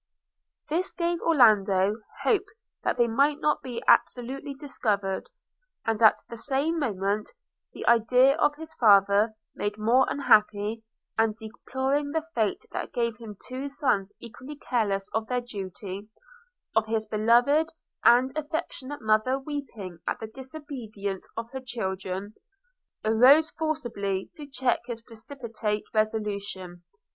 This gave Orlando hope that they might not be absolutely discovered; and at the same moment the idea of his father made more unhappy, and deploring the fate that gave him two sons equally careless of their duty – of his beloved and affectionate mother weeping at the disobedience of her children – arose forcibly to check his precipitate resolution.